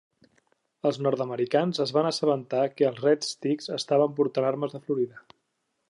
Els nord-americans es van assabentar que els Red Sticks estaven portant armes de Florida.